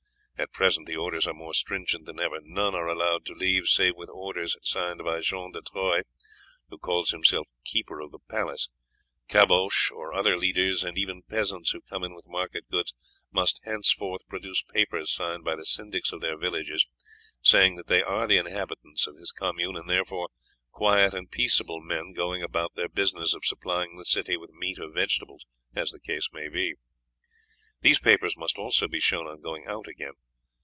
At present the orders are more stringent than ever, none are allowed to leave save with orders signed by John de Troyes, who calls himself keeper of the palace, Caboche, or other leaders and even peasants who come in with market goods must henceforth produce papers signed by the syndics of their villages saying they are the inhabitants of his commune, and therefore quiet and peaceable men going about their business of supplying the city with meat or vegetables, as the case may be. These papers must also be shown on going out again.